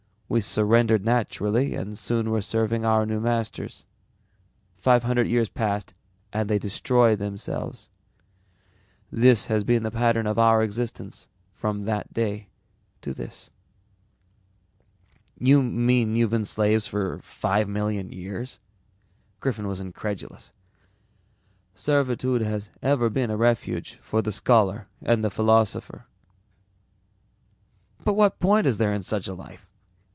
We surrendered naturally and soon were serving our new masters. Five hundred years passed and they destroyed themselves. This has been the pattern of our existence from that day to this." "You mean you've been slaves for five million years?" Griffin was incredulous. "Servitude has ever been a refuge for the scholar and the philosopher." "But what point is there in such a life?